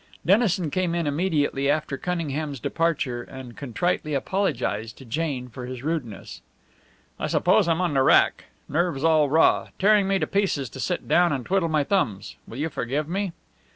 Dennison came in immediately after Cunningham's departure and contritely apologized to Jane for his rudeness. "I suppose I'm on the rack; nerves all raw; tearing me to pieces to sit down and twiddle my thumbs. Will you forgive me?"